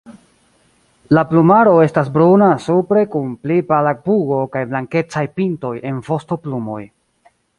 La plumaro estas bruna supre kun pli pala pugo kaj blankecaj pintoj en vostoplumoj.